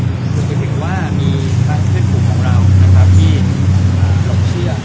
คุณคิดถึงว่ามีท่านเครื่องผู้ของเราที่หลงเชื่อ